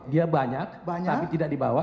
dia banyak tapi tidak dibawa